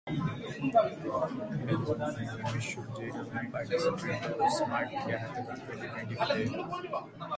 The characters are in scale with Mattel's Masters of the Universe Classics figures.